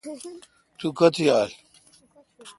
تو کوتھ یال۔